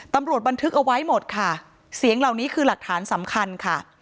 บันทึกเอาไว้หมดค่ะเสียงเหล่านี้คือหลักฐานสำคัญค่ะ